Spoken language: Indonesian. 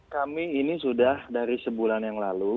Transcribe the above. kami ini sudah dari sebulan yang lalu